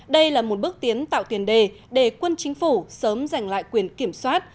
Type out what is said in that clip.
đây là một bước tiến tạo tiền đề để quân chính phủ sớm giành lại quyền kiểm soát